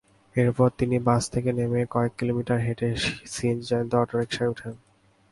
এরপর তিনি বাস থেকে নেমে কয়েক কিলোমিটার হেঁটে সিএনজিচালিত অটোরিকশায় ওঠেন।